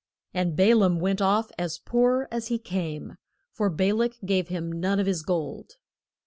And Ba laam went off as poor as he came, for Ba lak gave him none of his gold.